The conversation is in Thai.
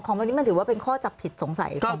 ของเรานี้มันถือว่าเป็นข้อจับผิดสงสัยของ